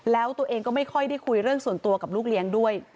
แล้วตัวเองก็ไม่ค่อยได้คุยเรื่องส่วนตัวกับลูกเลี้ยงด้วย